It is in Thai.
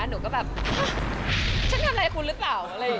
หนูก็แบบฉันทำไรกับคุณหรือเปล่า